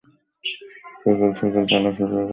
সকাল সকাল পালা শুরু হবে।